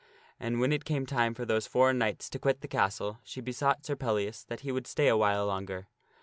And when it came time for those foreign knights to quit the castle, she besought Sir Pellias that he would stay a while longer.